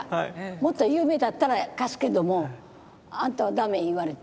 もっと有名だったら貸すけどもあんたは駄目言われて。